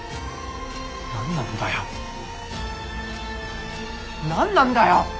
何なんだよ何なんだよ！